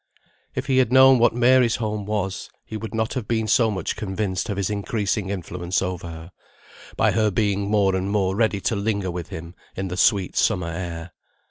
If he had known what Mary's home was, he would not have been so much convinced of his increasing influence over her, by her being more and more ready to linger with him in the sweet summer air.